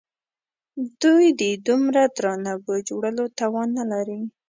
دوی د دومره درانه بوج وړلو توان نه لري.